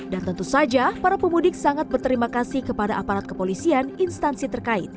dan tentu saja para pemudik sangat berterima kasih kepada aparat kepolisian instansi terkait